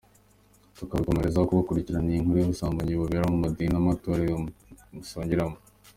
Tuzakomeza kubakurikiranira iyi nkuru y’ubusambanyi bubera mu madini n’amatorero musengeramo.